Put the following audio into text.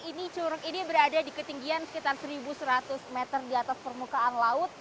ini curug ini berada di ketinggian sekitar satu seratus meter di atas permukaan laut